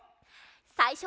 さいしょは。